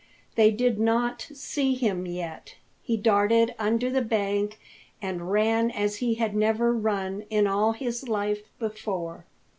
They did not see him yet. He darted under the bank, and ran as he had never run in all his life before.